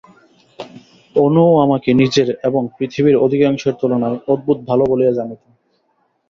অনুও আমাকে নিজের এবং পৃথিবীর অধিকাংশের তুলনায় অদ্ভুত ভালো বলিয়া জানিত।